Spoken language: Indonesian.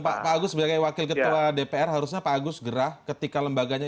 pak agus sebagai wakil ketua dpr harusnya pak agus gerah ketika lembaganya